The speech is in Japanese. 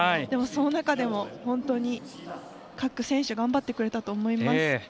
でも、その中でも本当に各選手、頑張ってくれたと思います。